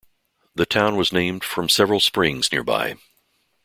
The town was named from several springs nearby.